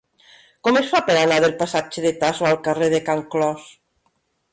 Com es fa per anar del passatge de Tasso al carrer de Can Clos?